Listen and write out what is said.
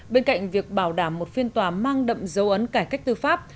bên cạnh việc bảo đảm một phiên tòa mang đậm dấu ấn cải cách tư pháp